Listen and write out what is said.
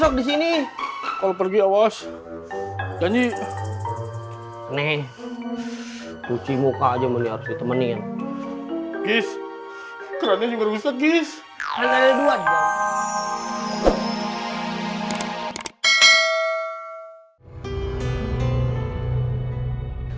ada di sini kalau pergi awas janji nih cuci muka aja menurut temenin guys karena ini